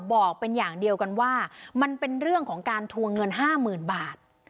บอกเป็นอย่างเดียวกันว่ามันเป็นเรื่องของการทวงเงิน๕๐๐๐บาท